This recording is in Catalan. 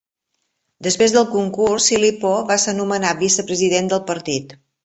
Després del concurs, Silipo va ser nomenat vicepresident del partit.